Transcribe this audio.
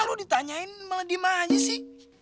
lo ditanyain meledih mah aja sih